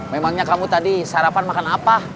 memangnya kamu tadi sarapan makan apa